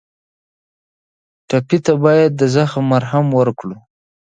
ټپي ته باید د زخم مرهم ورکړو.